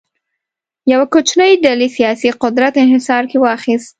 یوه کوچنۍ ډلې سیاسي قدرت انحصار کې واخیست.